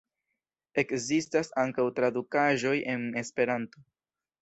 Ekzistas ankaŭ tradukaĵoj en Esperanto.